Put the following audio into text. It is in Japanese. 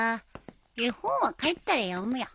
絵本は帰ったら読むよ。